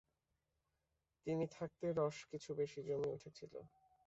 তিনি থাকতে রস কিছু বেশি জমে উঠেছিল।